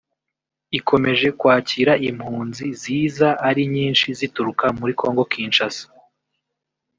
ikomeje kwakira impunzi ziza ari nyinshi zituruka muri Congo Kinshasa